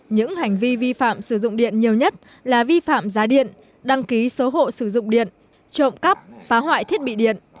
những hành vi vi phạm sử dụng điện nhiều nhất là vi phạm giá điện đăng ký số hộ sử dụng điện trộm cắp phá hoại thiết bị điện